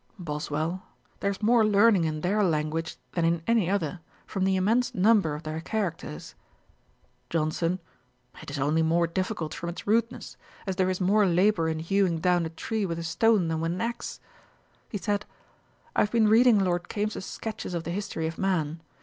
BOSWELL. 'There is more learning in their language than in any other, from the immense number of their characters.' JOHNSON. 'It is only more difficult from its rudeness; as there is more labour in hewing down a tree with a stone than with an axe.' He said, 'I have been reading Lord Kames's Sketches of the History of Man.